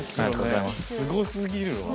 すごすぎるわ。